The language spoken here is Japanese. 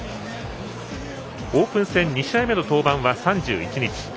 オープン戦２試合目の登板は３１日。